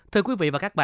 thưa quý vị